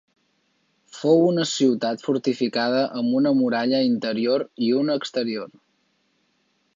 Fou una ciutat fortificada amb una muralla interior i una exterior.